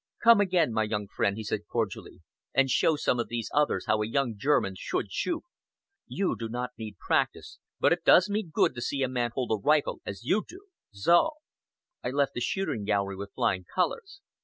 "Come again, my young friend," he said cordially, "and show some of these others how a young German should shoot! You do not need practice, but it does me good to see a man hold a rifle as you do! So!" I left the shooting gallery with flying colors.